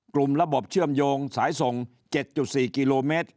กลุ่มระบบเชื่อมโยงสายส่ง๗๔กิโลเมตร